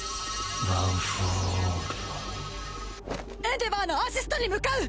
エンデヴァーのアシストに向かう！